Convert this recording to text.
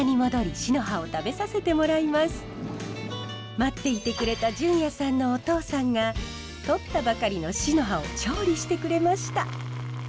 待っていてくれた純也さんのお父さんがとったばかりのシノハを調理してくれました。